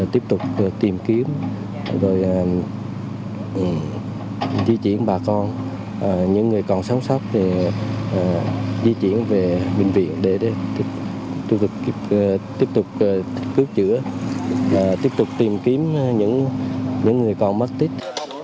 tiếp tục tìm kiếm rồi di chuyển bà con những người còn sống sót di chuyển về bệnh viện để tiếp tục cứu chữa tiếp tục tìm kiếm những người còn mất tích